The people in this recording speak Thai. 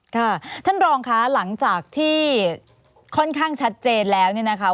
ค่ะท่านรองค่ะหลังจากที่ค่อนข้างชัดเจนแล้วเนี่ยนะคะ